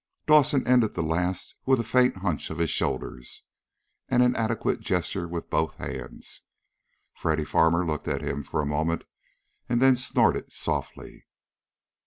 Dawson ended the last with a faint hunch of his shoulders, and an adequate gesture with both hands. Freddy Farmer looked at him for a moment, and then snorted softly.